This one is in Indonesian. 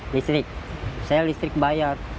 listrik saya listrik bayar